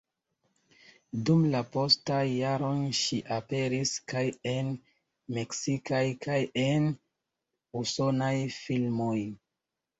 Dum la postaj jaroj ŝi aperis kaj en meksikaj kaj en usonaj filmoj.